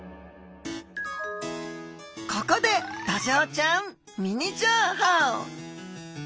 ここでドジョウちゃんミニ情報！